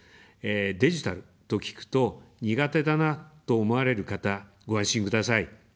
デジタルと聞くと、苦手だなと思われる方、ご安心ください。